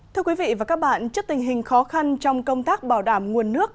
thưa quý vị và các bạn trước tình hình khó khăn trong công tác bảo đảm nguồn nước